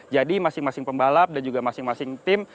masing masing pembalap dan juga masing masing tim